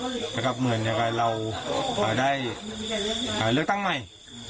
เนื่องกับเหมือนเราการเราจะได้เลือกตั้งใหม่